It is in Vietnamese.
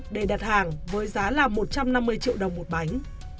để đặt hàng với giá là một trăm năm mươi triệu đồng một bánh